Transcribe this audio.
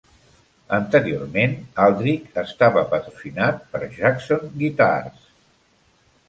Anteriorment, Aldrich estava patrocinat per Jackson Guitars.